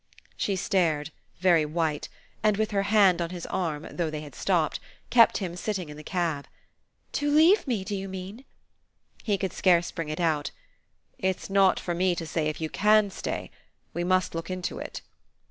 She stared, very white, and, with her hand on his arm, though they had stopped, kept him sitting in the cab. "To leave me, do you mean?" He could scarce bring it out. "It's not for me to say if you CAN stay. We must look into it."